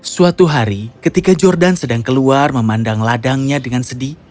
suatu hari ketika jordan sedang keluar memandang ladangnya dengan sedih